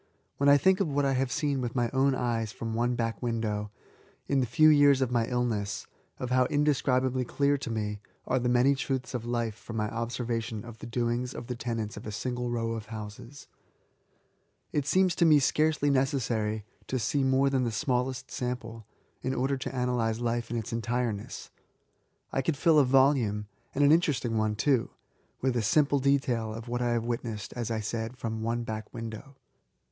When I think of what I have seen with my own eyes from one back window^ in the few years of my illness ; of how indescribably clear to me are many truths of life from my observation of the doingd of the tenants of a single row of houses ; it seems to me scarcely necessary to see more than the smallest sample^ in order to analyse life in its entireness. I could fill a volume — and an interest* ing one too — with a simple detail of what I have witnessed, as .1 said, from one back window.